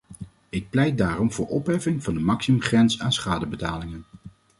Ik pleit daarom voor opheffing van de maximumgrens aan schadebetalingen.